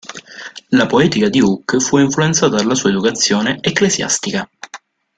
La poetica di Uc fu influenzata dalla sua educazione ecclesiastica.